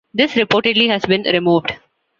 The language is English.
This reportedly has been removed.